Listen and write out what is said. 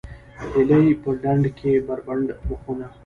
هیلۍ په ډنډ کې بربنډ مخونه